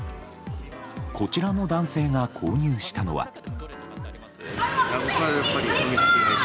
こちらの男性が購入したのは。